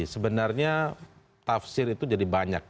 sebenarnya tafsir itu jadi banyak